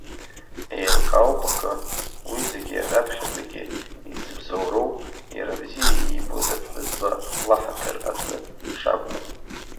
Еилкаауп акы, уи зегьы раԥхьаӡагьы изыбзоуроу иара бзиа иибоз аԥҳәызба лаҳаҭыр азы шакәу.